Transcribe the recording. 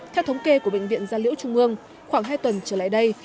theo thống kê của bệnh viện gia liễu trung mương khoảng hai tuần trở lại đây